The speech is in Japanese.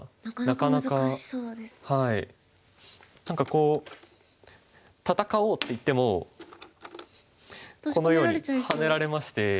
何かこう戦おうっていってもこのようにハネられまして。